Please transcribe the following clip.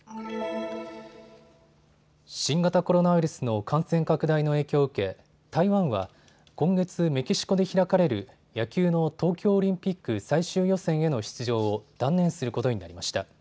新型コロナウイルスの感染拡大の影響を受け台湾は今月メキシコで開かれる野球の東京オリンピック最終予選への出場を断念することになりました。